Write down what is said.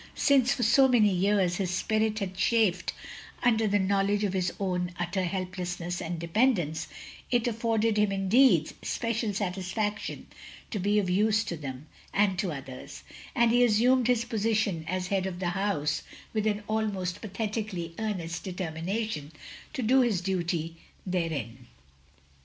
Since for so many years his spirit had chafed under the knowledge of his own utter OF GROSVENOR SQUARE 235 helplessness and dependence, it afforded him, indeed, especial satisfaction to be of use to them, and to others; and he asstmied his position as head of the house with an almost pathetically earnest determination to do his duty therein.